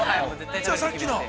じゃあ、さっきの。